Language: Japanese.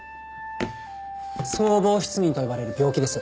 相貌失認と呼ばれる病気です。